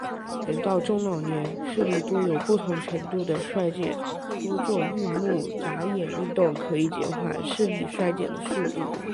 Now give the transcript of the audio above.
人到中老年，视力多有不同程度地衰减，多做运目眨眼运动可以减缓视力衰减的速度。